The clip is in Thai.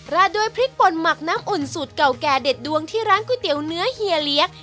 ด้วยพริกป่นหมักน้ำอุ่นสูตรเก่าแก่เด็ดดวงที่ร้านก๋วยเตี๋ยวเนื้อเฮียเลี้ยง